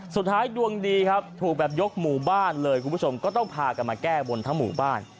สุดท้ายดวงดีครับถูกแบบยกหมู่บ้านเลยคุณผู้ชมก็ต้องพากันมาแก้บนทั้งหมู่บ้าน